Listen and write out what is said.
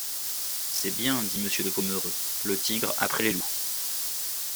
C'est bien, dit Monsieur de Pomereux : le tigre après les loups.